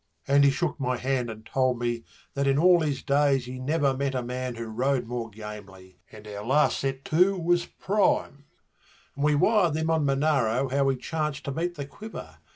And he shook my hand and told me that in all his days he never Met a man who rode more gamely, and our last set to was prime, And we wired them on Monaro how we chanced to beat the Quiver.